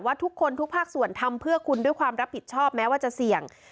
ทุกคนทุกภาคส่วนทำเพื่อคุณด้วยความรับผิดชอบแม้ว่าจะเสี่ยง